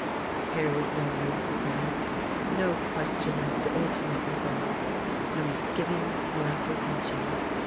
Here was no room for doubt; no question as to ultimate results; no misgivings; no apprehensions.